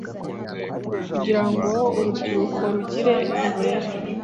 kugira ngo urubyiruko rugire uburere